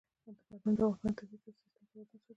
بادام د افغانستان د طبعي سیسټم توازن ساتي.